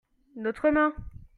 notre main.